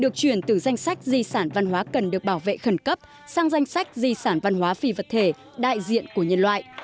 các di sản văn hóa cần được bảo vệ khẩn cấp sang danh sách di sản văn hóa phi vật thể đại diện của nhân loại